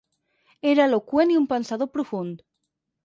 Era eloqüent i un pensador profund.